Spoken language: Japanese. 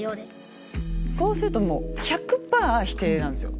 そうするともう１００％否定なんですよ。